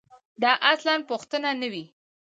دا اصلاً پوښتنه نه وي.